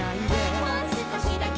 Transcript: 「もう少しだけ」